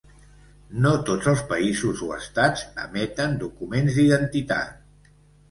No tots els països o estats emeten documents d'identitat.